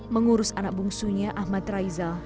mengurus anak bungsunya ahmad raisal